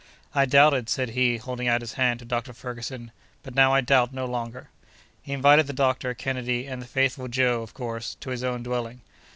"I doubted," said he, holding out his hand to Dr. Ferguson, "but now I doubt no longer." He invited the doctor, Kennedy, and the faithful Joe, of course, to his own dwelling.